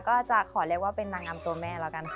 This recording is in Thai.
ก็จะขอเรียกว่าเป็นนางงามตัวแม่แล้วกันค่ะ